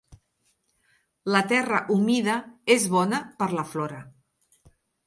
La terra humida es bona per la flora.